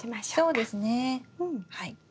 そうですねはい。